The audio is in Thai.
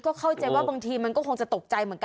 ก็เข้าใจว่าบางทีมันก็คงจะตกใจเหมือนกัน